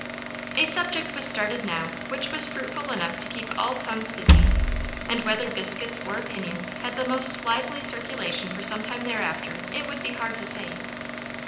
A subject was started now which was fruitful enough to keep all tongues busy; and whether biscuits or opinions had the most lively circulation for some time thereafter it would be hard to say.